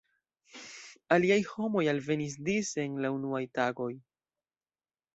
Aliaj homoj alvenis dise en la unuaj tagoj.